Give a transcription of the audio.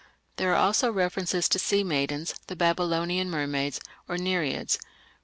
There are also references to sea maidens, the Babylonian mermaids, or Nereids.